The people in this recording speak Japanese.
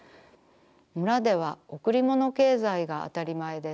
村では贈りもの経済があたりまえです。